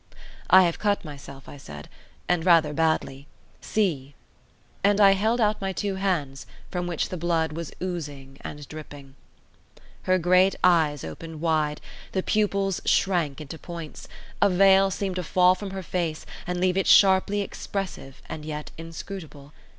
"I have cut myself," I said, "and rather badly. See!" And I held out my two hands from which the blood was oozing and dripping. Her great eyes opened wide, the pupils shrank into points; a veil seemed to fall from her face, and leave it sharply expressive and yet inscrutable.